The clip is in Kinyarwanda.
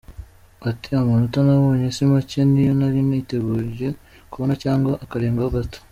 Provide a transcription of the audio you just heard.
Ati “Amanota nabonye si make, niyo nari niteguye kubona cyangwa akarengaho gato.